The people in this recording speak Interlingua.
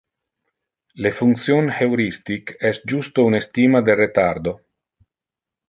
Le function heuristic es justo un estima del retardo.